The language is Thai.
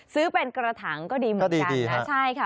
ซื้อเป็นกระถังก็ดีเหมือนกันนะ